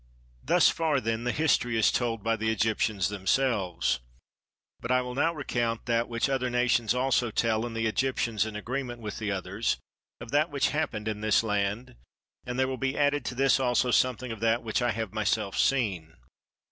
Thus far then the history is told by the Egyptians themselves; but I will now recount that which other nations also tell, and the Egyptians in agreement with the others, of that which happened in this land: and there will be added to this also something of that which I have myself seen.